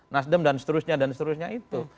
nasdem dan seterusnya dan seterusnya itu